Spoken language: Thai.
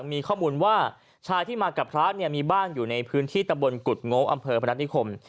มีข้อมูลว่าชายที่มากับพระเนี่ยมีบ้านอยู่ในพื้นที่ตำบลกุฎโง่อำเภอพนัฐนิคม